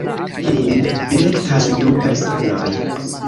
Ilin direktas du personoj.